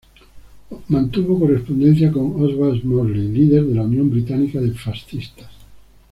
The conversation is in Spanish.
Mantuvo correspondencia con Oswald Mosley, líder de la Unión Británica de Fascistas.